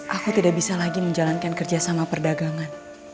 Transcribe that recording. aku tidak bisa lagi menjalankan kerja sama perdagangan